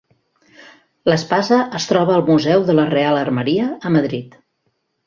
L'espasa es troba al Museu de la Real Armeria, a Madrid.